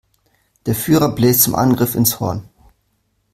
Der Führer bläst zum Angriff ins Horn.